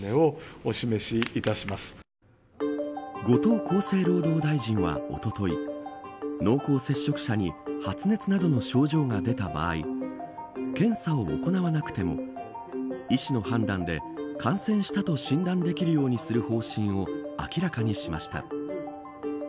後藤厚生労働大臣は、おととい濃厚接触者に発熱などの症状が出た場合検査を行わなくても医師の判断で、感染したと診断できるようにする方針を明らかにしました。